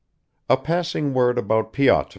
A passing word about Pyotr.